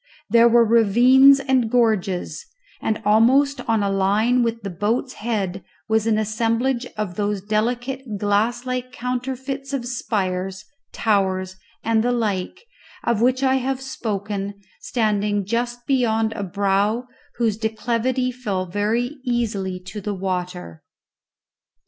There were ravines and gorges, and almost on a line with the boat's head was an assemblage of those delicate glass like counterfeits of spires, towers, and the like, of which I have spoken, standing just beyond a brow whose declivity fell very easily to the water.